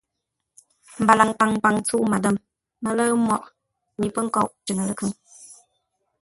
Mbalaŋ paŋpaŋ ntsə́u Madâm mələ̂ʉ mǒghʼ mi pə́ nkóʼ cʉŋə ləkhʉŋ.